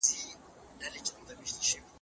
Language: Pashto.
زه اجازه لرم چي کالي وچوم!.